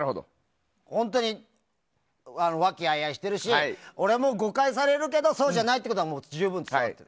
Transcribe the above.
本当に和気あいあいしてるし俺も誤解されるけどそうじゃないってことは十分伝わってる。